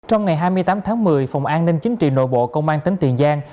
trong ngày hai mươi tám tháng một mươi phòng an ninh chính trị nội bộ công an tỉnh tiền giang